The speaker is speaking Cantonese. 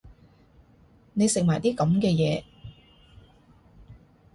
你食埋啲噉嘅嘢